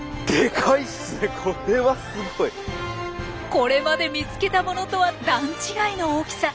これまで見つけたものとは段違いの大きさ。